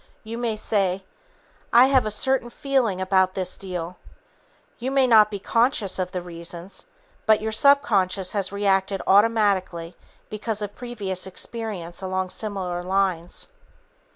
You may say, "I have a certain feeling about this deal." You may not be conscious of the reasons, but your subconscious has reacted automatically because of previous experience along similar lines.